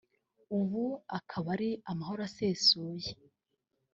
ubu hakaba ari amahoro asesuye